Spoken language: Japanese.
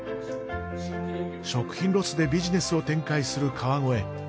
食品ロスでビジネスを展開する川越。